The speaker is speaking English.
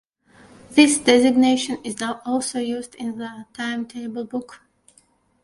This designation is now also used in the timetable book.